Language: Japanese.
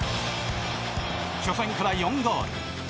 初戦から４ゴール。